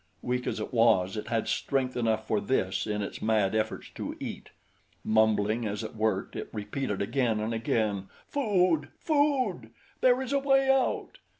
Weak as it was it had strength enough for this in its mad efforts to eat. Mumbling as it worked, it repeated again and again, "Food! Food! There is a way out!"